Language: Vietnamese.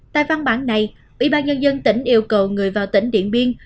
tại văn bản này ủy ban nhân dân tỉnh yêu cầu người vào tỉnh điện biên